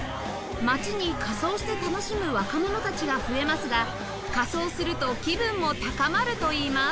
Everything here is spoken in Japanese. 街に仮装して楽しむ若者たちが増えますが仮装すると気分も高まるといいます